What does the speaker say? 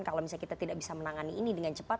kalau misalnya kita tidak bisa menangani ini dengan cepat